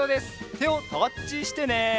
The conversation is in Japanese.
てをタッチしてね！